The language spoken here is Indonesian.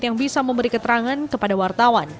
yang bisa memberi keterangan kepada wartawan